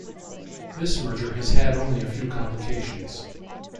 This merger has had only a few complications.